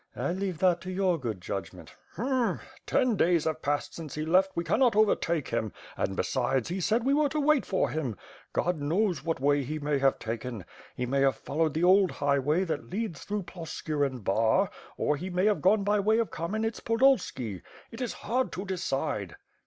"I leave that to your good judgment." "H'ml ten days have passed since he left — ^we cannot over take him, and besides, he said we were to wait for him. God knows what way he may have taken ; he may have followed the old highway, that leads through Ploskir and Bar, or he may have gone by way of Kamenets Podolski. It is hard to de cide."